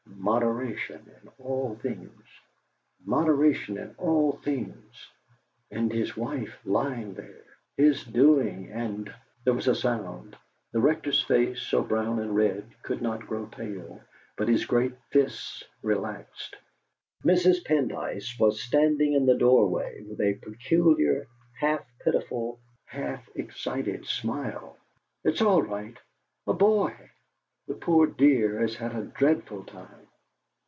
"Moderation in all things moderation in all things!" and his wife lying there his doing, and.... There was a sound. The Rector's face, so brown and red, could not grow pale, but his great fists relaxed. Mrs. Pendyce was standing in the doorway with a peculiar half pitiful, half excited smile. "It's all right a boy. The poor dear has had a dreadful time!"